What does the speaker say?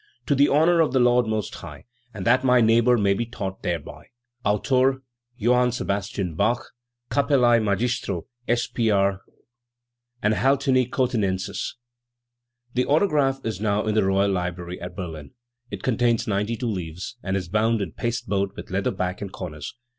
To the honour of the Lord Most High, and that my neighbour may be taught thereby. Autore Joanne Sebast. Bach. p. t. Capellae Magistro S. P. R. Anhaltini Cothinensis." The autograph is now in the Royal Library at Berlin. It contains ninety two leaves, and is bound in paste board with leather back and corners.